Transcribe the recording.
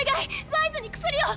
ワイズに薬を！